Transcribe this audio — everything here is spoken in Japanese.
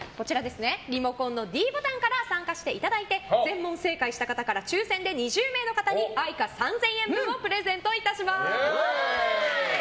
リモコンのｄボタンから参加していただいて全問正解した方から抽選で２０名の方にＡｉｃａ３０００円分をプレゼントいたします。